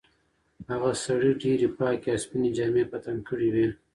هغه سړي ډېرې پاکې او سپینې جامې په تن کړې وې.